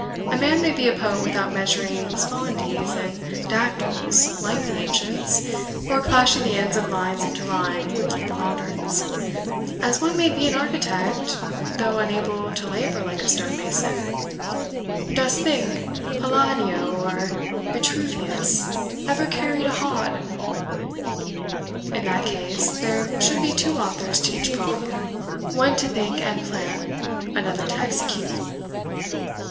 A man may be a poet without measuring spondees and dactyls like the ancients, or clashing the ends of lines into rhyme like the moderns, as one may be an architect though unable to labour like a stone mason Dost think Palladio or Vitruvius ever carried a hod?" "In that case, there should be two authors to each poem one to think and plan, another to execute."